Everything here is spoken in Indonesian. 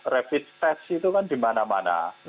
rapid test itu kan di mana mana